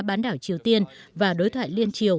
bán đảo triều tiên và đối thoại liên triều